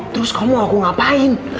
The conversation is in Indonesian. terus kamu aku ngapain